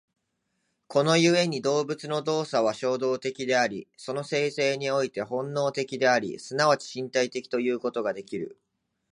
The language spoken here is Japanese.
この故に動物の動作は衝動的であり、その形成において本能的であり、即ち身体的ということができる。